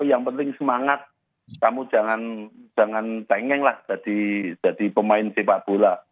jadi semangat kamu jangan pengenlah jadi pemain sepak bola